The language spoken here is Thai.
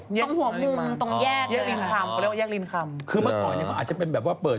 ตรงหัวมุมตรงแยกเลยอ๋อคือเมื่อก่อนอาจจะเป็นแบบว่าเปิด